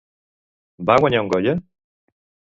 Va guanyar un Goya?